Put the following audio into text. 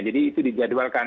jadi itu dijadwalkan